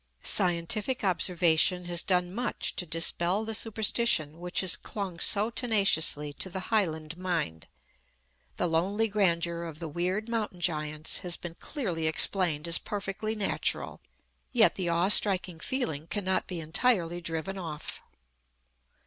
Scientific observation has done much to dispel the superstition which has clung so tenaciously to the Highland mind. The lonely grandeur of the weird mountain giants has been clearly explained as perfectly natural, yet the awe striking feeling cannot be entirely driven off.